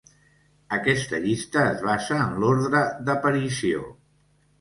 Aquesta llista es basa en l'ordre d'aparició.